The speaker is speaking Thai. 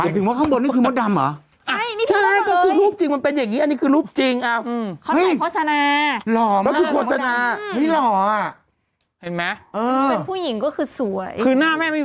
พี่ลากไขปลอยหวานบ้านี่คือรูปจีมเป็นอย่างนี้